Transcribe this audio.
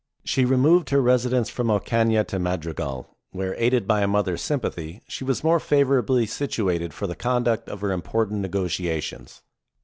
She removed her residence from Ocana to Madrigal, where, aided by a mother's sympathy, she was more favorably situated for the conduct of her im portant negotiations.